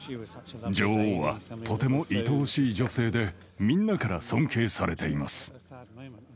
女王はとてもいとおしい女性で、みんなから尊敬されています。